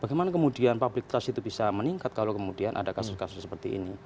bagaimana kemudian public trust itu bisa meningkat kalau kemudian ada kasus kasus seperti ini